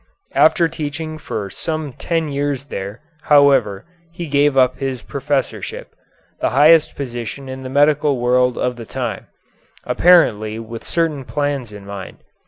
After teaching for some ten years there, however, he gave up his professorship the highest position in the medical world of the time apparently with certain plans in mind.